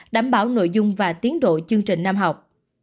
đảm bảo nội dung và tiến độ chương trình năm học